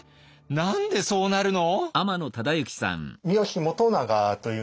何でそうなるの？